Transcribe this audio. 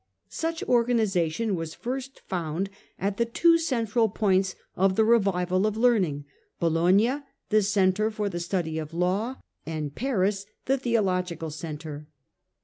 Such organization was first found at the two central points of the revival of learning — Bologna, the centre for the study of law, and Paris, the theological centre.